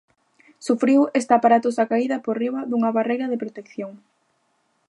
Sufriu esta aparatosa caída por riba dunha barreira de protección.